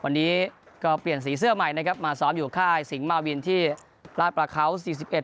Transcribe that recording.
วันนี้ก็เปลี่ยนสีเสื้อใหม่นะครับมาซ้อมอยู่ค่ายสิงหมาวินที่ราชประเขาสี่สิบเอ็